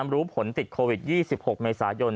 รู้ผลติดโควิด๒๖เมษายน